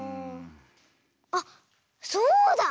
あっそうだ！